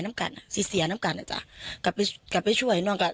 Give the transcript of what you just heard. น้ำกันที่เสียน้ำกันอะจ้ะกับไปกับไปช่วยเนอะกับ